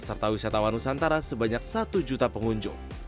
serta wisatawan nusantara sebanyak satu juta pengunjung